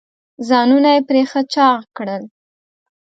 ځانونه یې پرې ښه چاغ کړل.